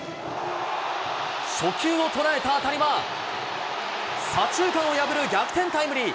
初球を捉えた当たりは、左中間を破る逆転タイムリー。